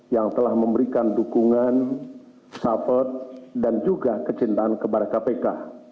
yang telah memberikan dukungan support dan juga kecintaan kepada kpk